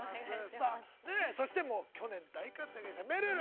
◆さあ、そして去年大活躍でしためるる。